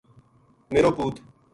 میرو پُوت